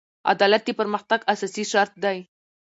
عدالت د پرمختګ اساسي شرط دی.